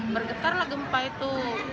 bergetar lah gempa itu